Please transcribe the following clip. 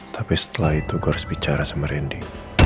tapi setelah itu gue harus bicara sama randy